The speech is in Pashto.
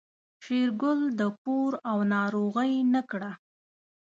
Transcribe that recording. شېرګل د پور او ناروغۍ نه کړه.